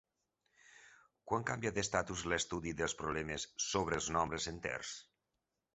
Quan canvia d'estatus l'estudi dels problemes sobre els nombres enters?